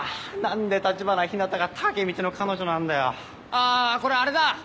あこれあれだ。